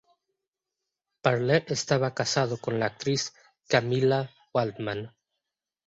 Bartlett estaba casado con la actriz Camilla Waldman.